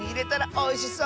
おいしそう！